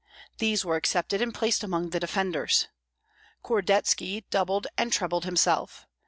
These were accepted and placed among the defenders. Kordetski doubled and trebled himself.